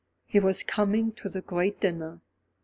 He was coming to the great dinner.